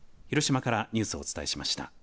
広島からニュースをお伝えしました。